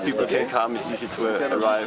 apakah kita bisa menemukan sesuatu yang lebih baik